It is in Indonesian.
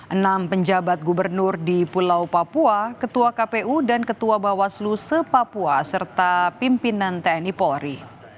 enam penjabat gubernur di pulau papua ketua kpu dan ketua bawaslu se papua serta pimpinan tni polri